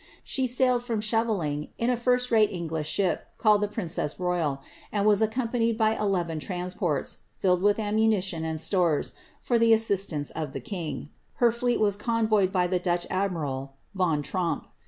She sailetl from Scheveling in a first rate English ship, called the Princess Royal, and was accompanied by eleven transporti, filled with ammunition and stores, for the assistance of the king; her fleet was convoyed by tlie Dutch admiral, Von Tromp.